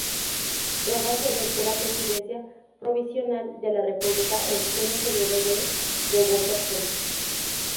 Rojas ejerció la presidencia provisional de la República en pleno periodo de revueltas políticas.